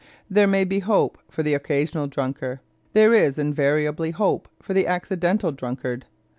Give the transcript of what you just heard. There may be hope for the occasional drunkard, there is invariably hope for the accidental drunkard.